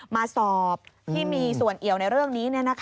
มาสอบที่มีส่วนเอี่ยวในเรื่องนี้